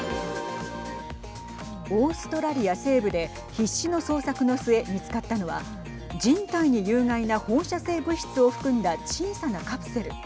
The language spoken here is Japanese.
オーストラリア西部で必死の捜索の末、見つかったのは人体に有害な放射性物質を含んだ小さなカプセル。